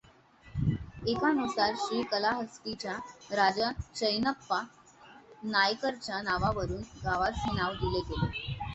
एकानुसार श्रीकलाहस्तीच्या राजा चेन्नैअप्पा नायकरच्या नावावरुन गावास हे नाव दिले गेले.